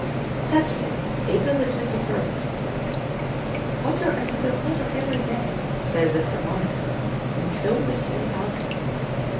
Saturday, April 21st. Hotter and still hotter every day, says the thermometer, and so we say also.